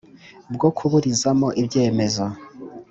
bwo kuburizamo ibyemezo